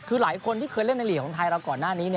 คือหลายคนที่เคยเล่นในหลีกของไทยเราก่อนหน้านี้